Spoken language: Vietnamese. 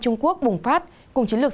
trung quốc bùng phát cùng chiến lược